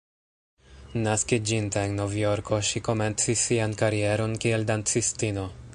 Naskiĝinte en Novjorko, ŝi komencis sian karieron kiel dancistino.